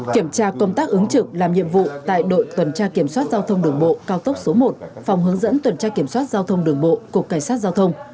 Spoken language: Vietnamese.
kiểm tra công tác ứng trực làm nhiệm vụ tại đội tuần tra kiểm soát giao thông đường bộ cao tốc số một phòng hướng dẫn tuần tra kiểm soát giao thông đường bộ cục cảnh sát giao thông